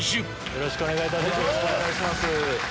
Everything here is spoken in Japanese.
よろしくお願いします。